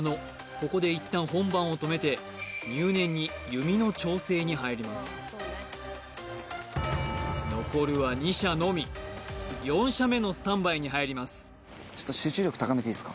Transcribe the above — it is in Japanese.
ここでいったん本番を止めて入念に弓の調整に入ります残るは２射のみ４射目のスタンバイに入ります集中力？